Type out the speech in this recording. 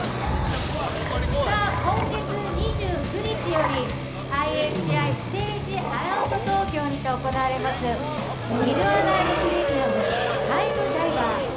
今月２９日よりＩＨＩステージアラウンド東京にて行われます「ディノアライブ・プレミアムタイムダイバー」